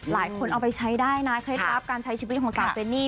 เอาไปใช้ได้นะเคล็ดลับการใช้ชีวิตของสาวเจนนี่